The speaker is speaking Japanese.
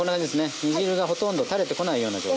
煮汁がほとんど垂れてこないような状態。